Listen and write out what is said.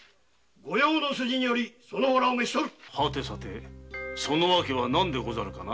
御用の筋によりその方ら召し捕るその理由は何でござるかな？